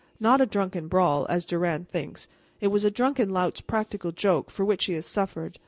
Not a drunken brawl, as Durand thinks; it was a drunken lout's practical joke, for which he has suffered.